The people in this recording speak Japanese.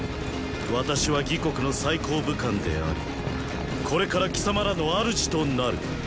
私は魏国の最高武官でありこれから貴様らの“主”となる。